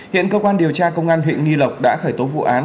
hiện cơ quan điều tra công an huyện nghi lộc đã khởi tố vụ án